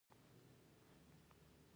همداشان د توري کلا تاریخي